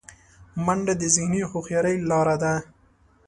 منډه د ذهني هوښیارۍ لاره ده